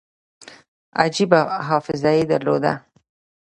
عجیبه حافظه یې درلوده.